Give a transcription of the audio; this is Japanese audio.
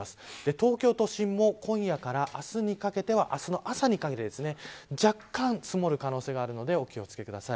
東京都心も今夜から明日にかけては明日の朝にかけてですね若干積もる可能性があるのでお気を付けください。